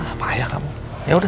apaan ya kamu ya udah